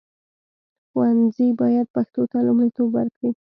ښوونځي باید پښتو ته لومړیتوب ورکړي.